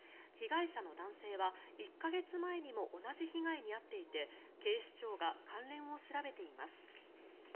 被害者の男性は１か月前にも同じ被害に遭っていて警視庁が関連を調べています。